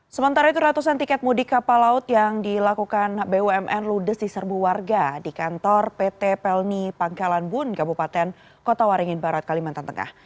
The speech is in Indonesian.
sementara itu ratusan tiket mudik kapal laut yang dilakukan bumn ludes di serbu warga di kantor pt pelni pangkalan bun kabupaten kota waringin barat kalimantan tengah